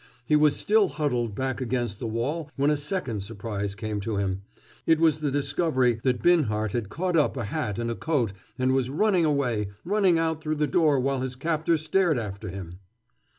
He was still huddled back against the wall when a second surprise came to him. It was the discovery that Binhart had caught up a hat and a coat, and was running away, running out through the door while his captor stared after him.